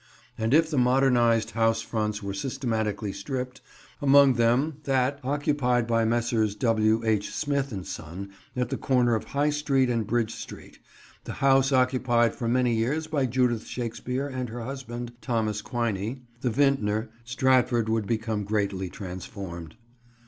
And if the modernised house fronts were systematically stripped, among them that occupied by Messrs. W. H. Smith & Son at the corner of High Street and Bridge Street, the house occupied for many years by Judith Shakespeare and her husband, Thomas Quiney, the vintner, Stratford would become greatly transformed.